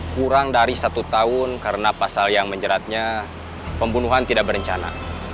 kurang dari satu tahun karena pasal yang menjeratnya pembunuhan tidak berencana